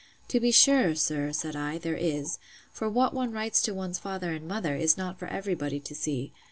To be sure, sir, said I, there is; for what one writes to one's father and mother, is not for every body to see.